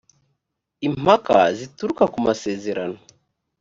impaka zituruka ku masezerano.